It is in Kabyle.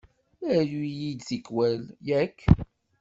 Aru-yi-d tikwal, yak?